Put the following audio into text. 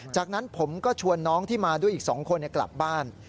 จากนั้นผมก็ชวนน้องที่มาด้วยอีก๒คนกลับบ้าน